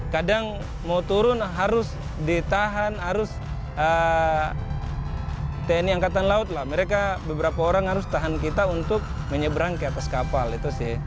kadang mau turun harus ditahan harus tni angkatan laut lah mereka beberapa orang harus tahan kita untuk menyeberang ke atas kapal itu sih